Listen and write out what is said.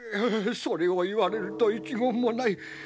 それを言われると一言もない。